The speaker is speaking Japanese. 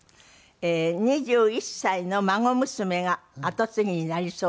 ２１歳の孫娘が後継ぎになりそうだと。